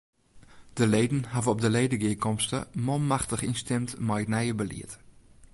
De leden hawwe op de ledegearkomste manmachtich ynstimd mei it nije belied.